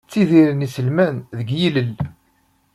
Ttidiren iselman deg yilel.